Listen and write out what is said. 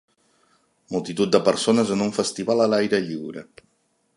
Multitud de persones en un festival a l'aire lliure.